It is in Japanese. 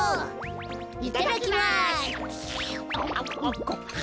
いただきます！